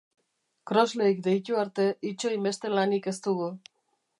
Crosleyk deitu arte itxoin beste lanik ez dugu.